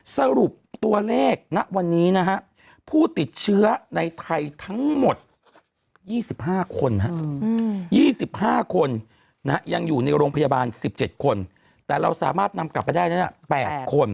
สรุปตัวเลขณวันนี้นะฮะผู้ติดเชื้อในไทยทั้งหมด๒๕คน๒๕คนยังอยู่ในโรงพยาบาล๑๗คนแต่เราสามารถนำกลับไปได้๘คน